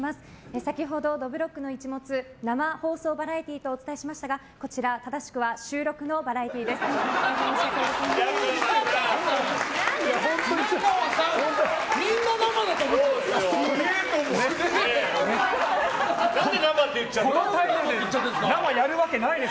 先ほど、「どぶろっくの一物」生放送バラエティーとお伝えしましたがこちら、正しくは収録のバラエティーです。